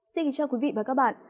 xin kính chào quý vị và các bạn